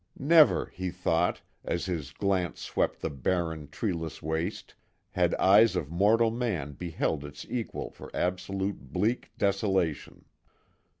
Never, he thought, as his glance swept the barren, treeless waste, had eyes of mortal man beheld its equal for absolute bleak desolation.